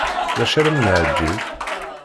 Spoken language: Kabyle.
D acu ur am-neɛǧib?